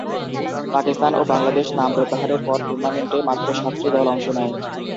পাকিস্তান ও বাংলাদেশ নাম প্রত্যাহারের পর টুর্নামেন্টে মাত্র সাতটি দল অংশ নেয়।